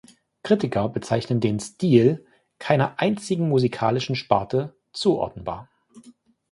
Kritiker bezeichnen den Stil „keiner einzigen musikalischen Sparte“ zuordenbar.